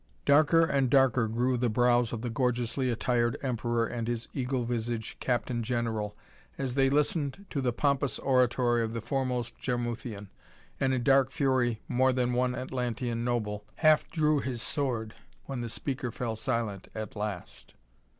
Darker and darker grew the brows of the gorgeously attired Emperor and his eagle visaged Captain General as they listened to the pompous oratory of the foremost Jarmuthian, and in dark fury more than one Atlantean noble half drew his sword when the speaker fell silent at last.